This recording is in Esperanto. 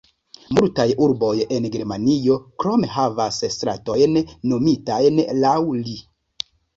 Multaj urboj en Germanio krome havas stratojn nomitajn laŭ li.